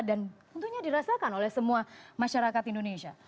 dan tentunya dirasakan oleh semua masyarakat indonesia